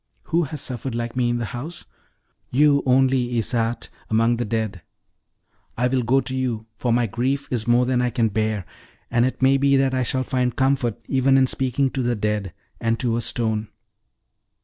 Who has suffered like me in the house? You only, Isarte, among the dead. I will go to you, for my grief is more than I can bear; and it may be that I shall find comfort even in speaking to the dead, and to a stone.